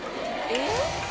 えっ？